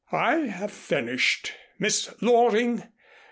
"I have finished, Miss Loring.